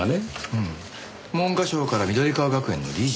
うん文科省から緑川学園の理事？